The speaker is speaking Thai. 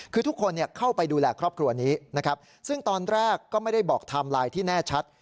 คือทุกคนเข้าไปดูแลครอบครัวนี้นะครับซึ่งตอนแรกก็ไม่ได้บอกไทม์ไลน์ที่แน่ชัด